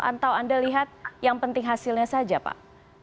atau anda lihat yang penting hasilnya saja pak